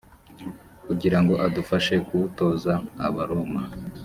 kugira ngo adufashe kuwutoza abaroma